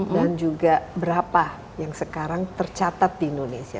dan juga berapa yang sekarang tercatat di indonesia